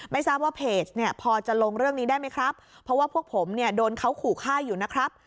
ทราบว่าเพจเนี่ยพอจะลงเรื่องนี้ได้ไหมครับเพราะว่าพวกผมเนี่ยโดนเขาขู่ฆ่าอยู่นะครับ